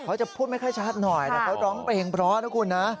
เขาจะพูดไม่ค่าชาติหน่อยนะเพราะเขาร้องเพลงเพราะนะคุณนะ